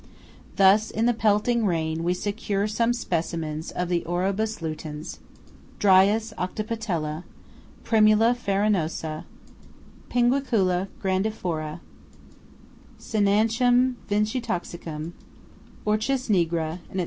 Thus in the pelting rain we secure some specimens of the Orobus lutens, Dryas octopetela, Primula Farinosa, Pinguicula grandifora, Cynanchum Vincitoxicum, Orchis nigra, &c.